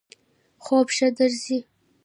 خوب ښه درځی؟